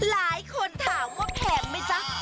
หลายคนถามว่าแผงไหมจ๊ะ